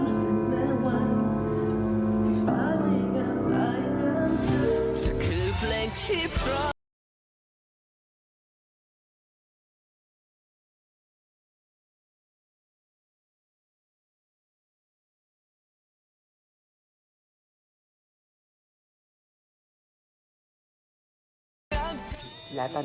ก็คือแสงที่สวยที่สุดของวัน